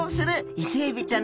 イセエビちゃん！